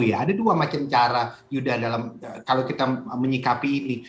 ada dua macam cara yudha dalam kalau kita menyikapi ini